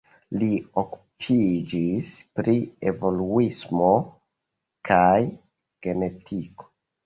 Li okupiĝis pri evoluismo kaj genetiko.